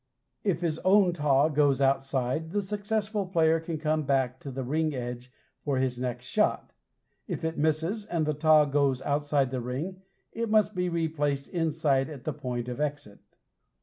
If his own taw goes outside, the successful player can come back to the ring edge for his next shot. If it is a miss and the taw goes outside the ring, it must be replaced inside at the point of exit.